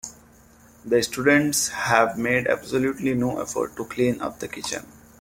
The students have made absolutely no effort to clean up the kitchen.